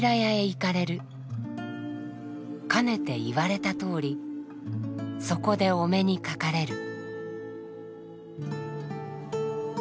かねて言われたとおりそこでお目にかかれる」。